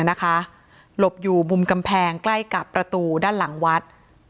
หลบอยู่มุมกำแพงใกล้กับประตูด้านหลังวัด